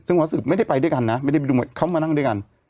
ซึ่งวัดสืบไม่ได้ไปด้วยกันนะไม่ได้ไปดูเขามานั่งด้วยกัน